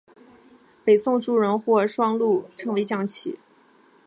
北宋朱彧将双陆称为象棋。